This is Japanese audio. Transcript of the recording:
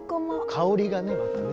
香りがねまたね。